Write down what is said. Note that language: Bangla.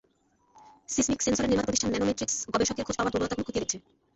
সিসমিক সেন্সরের নির্মাতা প্রতিষ্ঠান ন্যানোমেট্রিকস গবেষকের খোঁজ পাওয়ার দুর্বলতাগুলো খতিয়ে দেখছে।